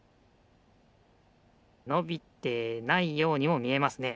のびてないようにもみえますね。